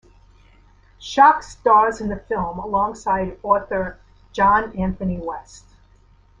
Schoch stars in the film alongside author John Anthony West.